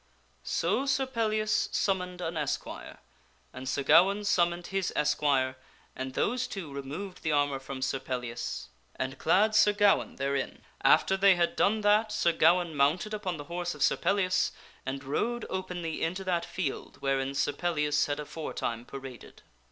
So Sir Pellias summoned an esquire, and Sir Gawaine summoned his esquire, and those two removed the armor from Sir Pellias, and clad Sir Gawaine therein. After they had done that Sir Gawaine mounted upon the horse of Sir Pellias, and rode openly into that field wherein Sir Pellias had aforetime paraded.